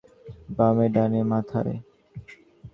বামে, ডানে, মাথায়।